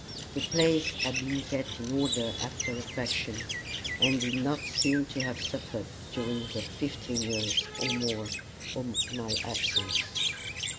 The place had been kept in order after a fashion, and did not seem to have suffered during the fifteen years or more of my absence.